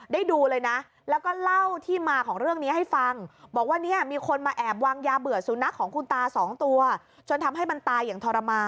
ได้ดูเลยนะแล้วก็เล่าที่มาของเรื่องนี้ให้ฟัง